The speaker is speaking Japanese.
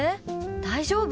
大丈夫？